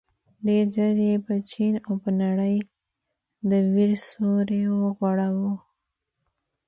ډېر ژر یې پر چين او نړۍ د وېر سيوری وغوړاوه.